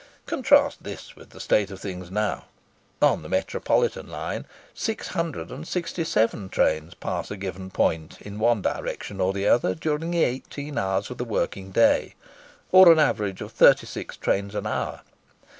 Contrast this with the state of things now. On the Metropolitan Line, 667 trains pass a given point in one direction or the other during the eighteen hours of the working day, or an average of 36 trains an hour.